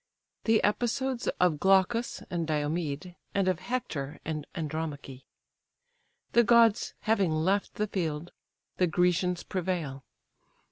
THE EPISODES OF GLAUCUS AND DIOMED, AND OF HECTOR AND ANDROMACHE. The gods having left the field, the Grecians prevail.